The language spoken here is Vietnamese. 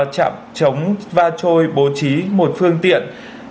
trạm chống va trôi bố trí một phương tiện